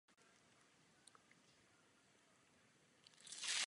Polovodiče